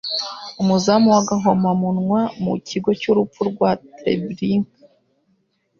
umuzamu w'agahomamunwa mu kigo cy'urupfu rwa Treblinka